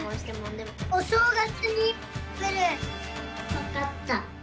わかった。